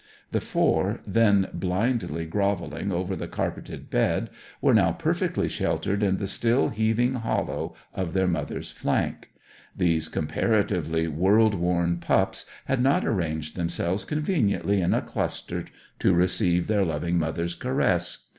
The four, then blindly grovelling over the carpeted bed, were now perfectly sheltered in the still heaving hollow of their mother's flank. These comparatively world worn pups had not arranged themselves conveniently in a cluster to receive their loving mother's caress.